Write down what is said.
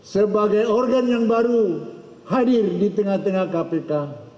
sebagai organ yang baru hadir di tengah tengah kpk